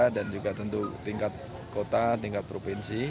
dan juga tentu tingkat kota tingkat provinsi